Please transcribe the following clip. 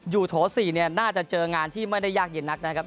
โถ๔เนี่ยน่าจะเจองานที่ไม่ได้ยากเย็นนักนะครับ